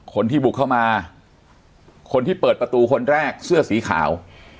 คนที่บุกเข้ามาคนที่เปิดประตูคนแรกเสื้อสีขาว